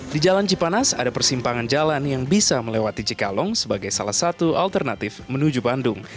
di jalan cipanas ada persimpangan jalan yang bisa melewati cikalong sebagai salah satu alternatif menuju bandung